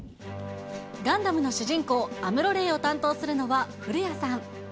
ガンダムの主人公、アムロ・レイを担当するのは古谷さん。